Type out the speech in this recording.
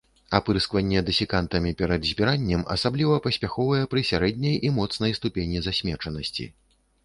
Апырскванне дэсікантамі перад збіраннем асабліва паспяховае пры сярэдняй і моцнай ступені засмечанасці.